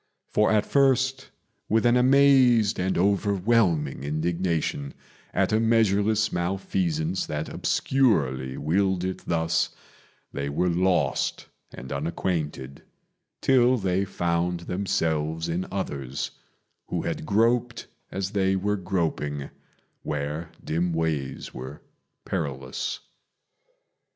For at first, with an amazed and overwhelming indignation At a measureless malfeasance that obscurely willed it thus, They were lost and unacquainted till they found themselves in others, Who had groped as they were groping where dim ways were perilous.